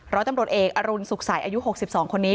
ร้อยตำรวจเอกอรุณสุขใสอายุ๖๒คนนี้